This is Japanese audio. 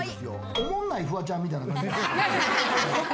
おもんないフワちゃんみたい。